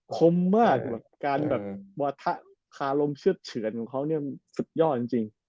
คมมากการวาถะคาลมเชือกเฉือนของเขาสุดยอดจริง